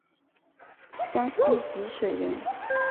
江西吉水人。